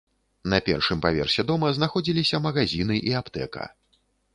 На першым паверсе дома знаходзіліся магазіны і аптэка.